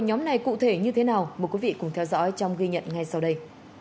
nhóm này cụ thể như thế nào mời quý vị cùng theo dõi trong ghi nhận ngay sau đây